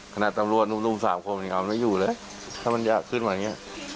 ขณะตำรวจรุ่ม๓คนเอามันไม่อยู่เลยถ้ามันยากขึ้นมาอย่างเงี้ย